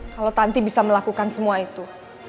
kalau tanti bisa melakukan semua itu